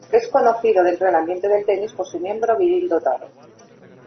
Es conocido dentro del ambiente del tenis por su miembro viril dotado.